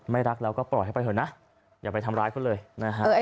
ไม่รักเราก็ปล่อยให้ไปเถอะนะอย่าไปทำร้ายคนเลยนะครับ